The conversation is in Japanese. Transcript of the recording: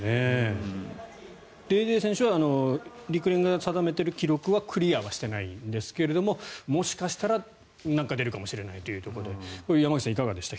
デーデー選手は陸連が定めている記録はクリアはしていないんですけどもしかしたら、なんか出るかもしれないというところで山口さん、いかがでしたか？